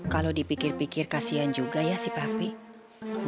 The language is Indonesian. kalau dipikir pikir kasihan juga ya si pak apik